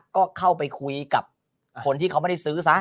ก็เข้าไปคุยกับคนที่เขาไม่ได้ซื้อซะ